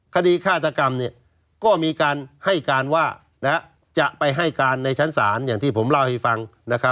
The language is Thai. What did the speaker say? คดีฆาตกรรมก็มีการให้การว่าจะไปให้การในชั้นศาลอย่างที่ผมเล่าให้ฟัง